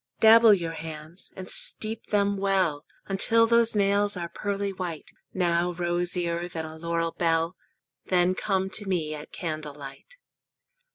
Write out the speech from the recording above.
Dabble your hands, and steep them well Until those nails are pearly white Now rosier than a laurel bell; Then come to me at candle light.